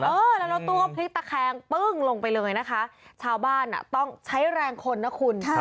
เออแล้วรถตู้ก็พลิกตะแคงปึ้งลงไปเลยนะคะชาวบ้านต้องใช้แรงคนนะคุณ